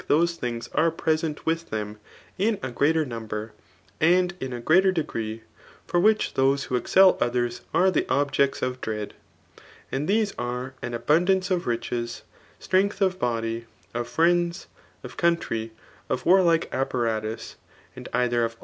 thoqe things are present with them in a greaser number, and in a greater degree, for whidi those who epieel others are the objects of dread ; and these are, an abundance of riches, strength of body, of frjeods^ of country, of warlike apparadis, and either of.